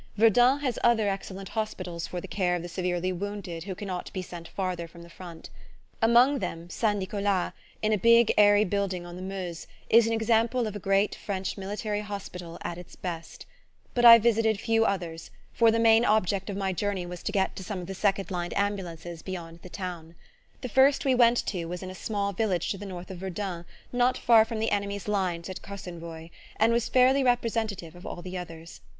Verdun has other excellent hospitals for the care of the severely wounded who cannot be sent farther from the front. Among them St. Nicolas, in a big airy building on the Meuse, is an example of a great French Military Hospital at its best; but I visited few others, for the main object of my journey was to get to some of the second line ambulances beyond the town. The first we went to was in a small village to the north of Verdun, not far from the enemy's lines at Cosenvoye, and was fairly representative of all the others.